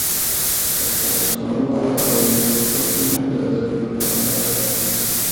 پاراسټامول او ایبوپروفین د درد کمولو لپاره دي.